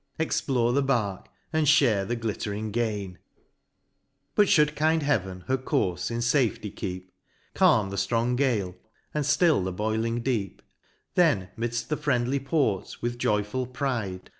Explore the bark, and fhare the glittering gain» But fliou'd kind Heaven her courfe in fafety keep, Calm the ftrong gale, and ftill the boiling deep, Then 26 MOUNT PLEASANT. Then midft the friendly port with joyful pride.